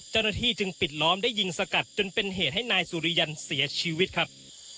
เจ้าหน้าที่จึงปิดล้อมได้ยิงสกัดจนเป็นเหตุให้นายสุริยันเสียชีวิตครับ